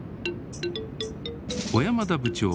小山田部長